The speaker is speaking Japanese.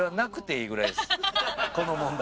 この問題。